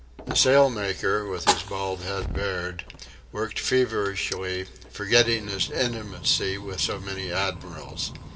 The sailmaker, with his bald head bared, worked feverishly, forgetting his intimacy with so many admirals.